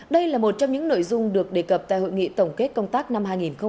đây là một trong những nội dung được đề cập tại hội nghị tổng kết công tác năm hai nghìn một mươi chín